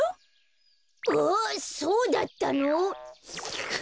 ああそうだったの？